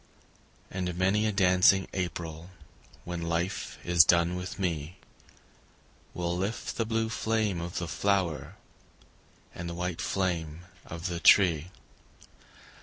And many a dancing April When life is done with me, Will lift the blue flame of the flower And the white flame of the tree.